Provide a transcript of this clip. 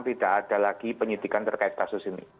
tidak ada lagi penyidikan terkait kasus ini